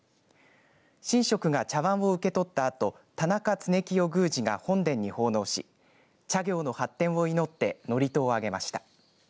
神職が茶わんを受け取ったあと田中恆清宮司が本殿に奉納し茶業の発展を祈って祝詞をあげました。